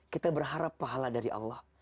kita berharap pahala dari allah